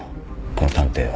この探偵を。